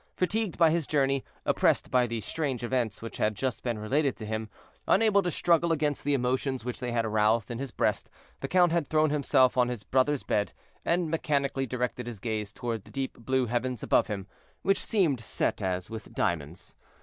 Fatigued by his journey, oppressed by the strange events which had just been related to him, unable to struggle against the emotions which they had aroused in his breast, the count had thrown himself on his brother's bed, and mechanically directed his gaze toward the deep blue heavens above him, which seemed set as with diamonds.